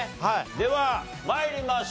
では参りましょう。